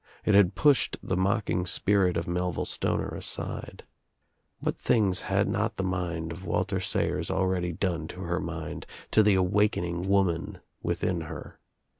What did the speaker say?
It had pushed the mocking spirit of Melville Stoner aside. What things had not the mind of Walter Sayers already done to her mind, to the awakening woman within her.